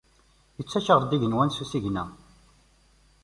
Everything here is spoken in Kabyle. Ittaččar-d igenwan s usigna.